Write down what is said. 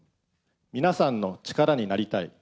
皆さんの力になりたい。